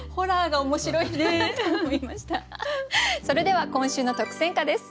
それでは今週の特選歌です。